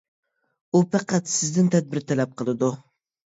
ئۇ پەقەت سىزدىن تەدبىر تەلەپ قىلىدۇ.